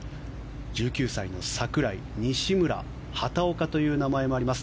１９歳の櫻井、西村畑岡という名前もあります。